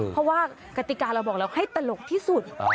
เพราะว่ากติกาเราบอกแล้วให้ตลกที่สุด